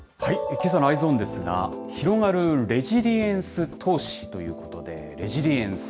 けさのＥｙｅｓｏｎですが、広がるレジリエンス投資ということで、レジリエンス。